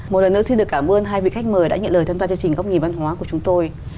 một lần nữa xin được cảm ơn hai vị khách mời đã nhận lời tham gia chương trình góc nhìn văn hóa của chúng tôi